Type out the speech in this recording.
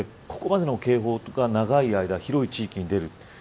ここまでの警報が長い間、広い地域に出る。